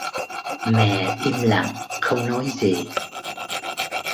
mẹ im lặng không nói gì